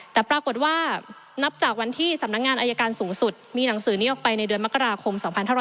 แต่ปรากฏว่านับจากวันที่สำนักงานอายการสูงสุดมีหนังสือนี้ออกไปในเดือนมกราคม๒๕๖๐